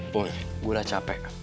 boy gue udah capek